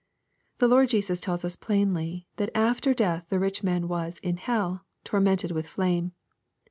The Lord Jesus tells us plainly, that after death the rich man was " in hell, — toimented with flame."